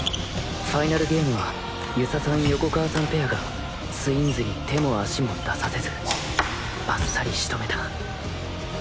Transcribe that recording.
ファイナルゲームは遊佐さん・横川さんペアがツインズに手も足も出させずあっさり仕留めた